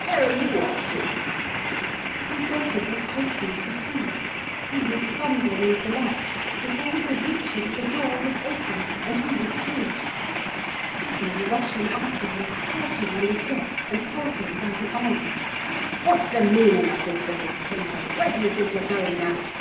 'Where are you off to?' We both of us hastened to see. He was fumbling with the latch; before we could reach him, the door was open, and he was through it. Sydney, rushing after him, caught him on the step and held him by the arm. 'What's the meaning of this little caper? Where do you think you're going now?